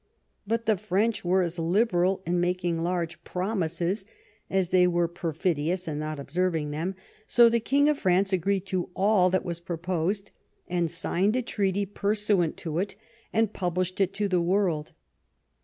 But the French were as liberal in making large promises as they were perfidious in not observing them; so the King of France agreed to all that was proposed, and signed a treaty pursuant to it, and pub lished it to the world.